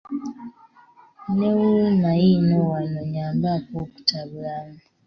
Ne wuuma yiino wano nnyambaako okutabulamu.